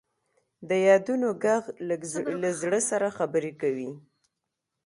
د یادونو ږغ له زړه سره خبرې کوي.